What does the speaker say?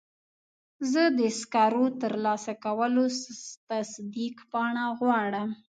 زه د سکرو د ترلاسه کولو تصدیق پاڼه غواړم.